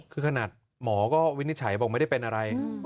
คือขนาดหมอก็วินิจฉัยบอกไม่ได้เป็นอะไร